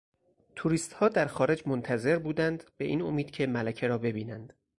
توریستها در خارج منتظر بودند به این امید که ملکه را ببینند.